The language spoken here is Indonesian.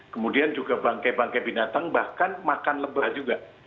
kemudian juga bangke bangkai binatang bahkan makan lebah juga